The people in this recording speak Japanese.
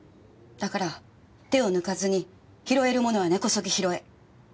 だから手を抜かずに拾えるものは根こそぎ拾え。